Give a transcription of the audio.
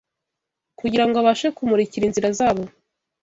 kugira ngo abashe kumurikira inzira zabo;